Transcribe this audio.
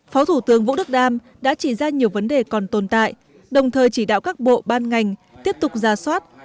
phó thủ tướng vũ đức đam đã chỉ ra nhiều vấn đề còn tồn tại đồng thời chỉ đạo các bộ ban ngành tiếp tục ra soát